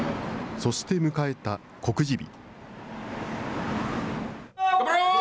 そして迎えた告示日。